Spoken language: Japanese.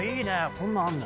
こんなんあんだ。